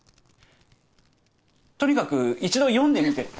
とにかく一度読んでみて。